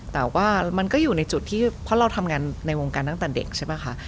แต่ว่ามันก็อยู่ในจุดที่เพราะเราทำงานในวงการตั้งแต่เด็กใช่ป่ะคะ